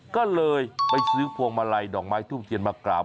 ก็เลยไปซื้อพวงมาลัยดอกไม้ทูบเทียนมากราบ